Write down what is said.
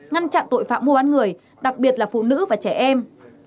ngăn chặn tội phạm mua bán người đặc biệt là phụ nữ và trẻ em